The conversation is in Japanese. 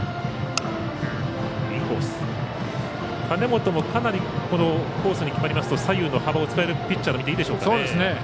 金本もかなりコースに決まりますと左右の幅を使えるピッチャーでしょうかね。